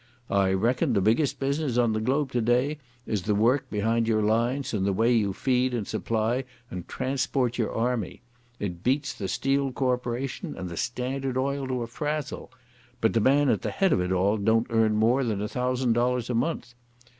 I reckon the biggest business on the globe today is the work behind your lines and the way you feed and supply and transport your army. It beats the Steel Corporation and the Standard Oil to a frazzle. But the man at the head of it all don't earn more than a thousand dollars a month....